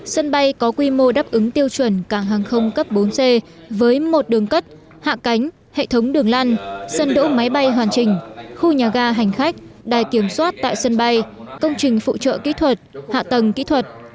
sân bay có quy mô đáp ứng tiêu chuẩn cảng hàng không cấp bốn c với một đường cất hạ cánh hệ thống đường lăn sân đỗ máy bay hoàn chỉnh khu nhà ga hành khách đài kiểm soát tại sân bay công trình phụ trợ kỹ thuật hạ tầng kỹ thuật